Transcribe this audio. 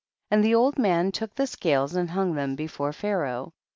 12. And the old man took the scales and hung them before Pha raoh.